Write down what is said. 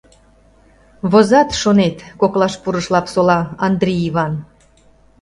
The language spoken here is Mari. — Возат, шонет! — коклаш пурыш Лапсола Андри Иван.